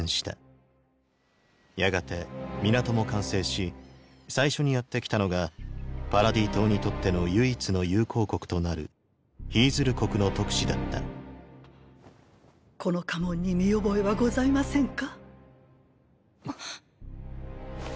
やがて港も完成し最初にやって来たのがパラディ島にとっての唯一の友好国となるヒィズル国の特使だったこの家紋に見覚えはございませんか？！！